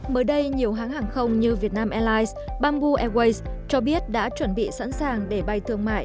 mới đây nhiều hãng hàng không như vietnam airlines bamboo airways cho biết đã chuẩn bị sẵn sàng để bay thương mại